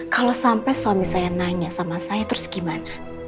kalau sampai suami saya nanya sama saya terus gimana